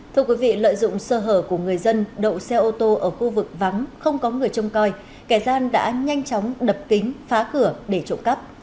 thưa quý vị lợi dụng sơ hở của người dân đậu xe ô tô ở khu vực vắng không có người trông coi kẻ gian đã nhanh chóng đập kính phá cửa để trộm cắp